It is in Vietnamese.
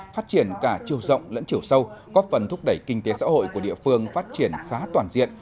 phát triển cả chiều rộng lẫn chiều sâu góp phần thúc đẩy kinh tế xã hội của địa phương phát triển khá toàn diện